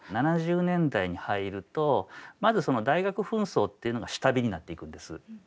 ７０年代に入るとまずその大学紛争っていうのが下火になっていくんです。